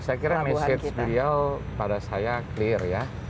saya kira message beliau pada saya clear ya